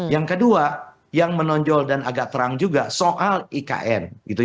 yang kedua yang menonjol dan agak terang juga soal ikn